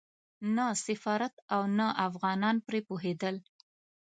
نه سفارت او نه افغانان پرې پوهېدل.